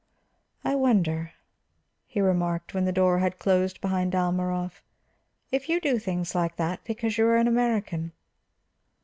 "I wonder," he remarked, when the door had closed behind Dalmorov, "if you do things like that because you are an American."